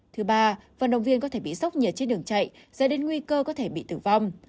thứ ba vận động viên có thể bị sốc nhiệt trên đường chạy dẫn đến nguy cơ có thể bị tử vong